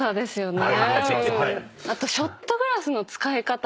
あと。